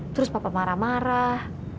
terus papa marah marah